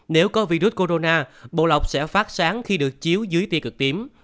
nếu có virus corona bộ lọc sẽ phát sáng khi được chiếu dưới ti cực tím